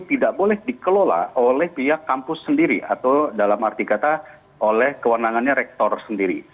tidak boleh dikelola oleh pihak kampus sendiri atau dalam arti kata oleh kewenangannya rektor sendiri